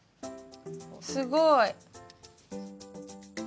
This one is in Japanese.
すごい。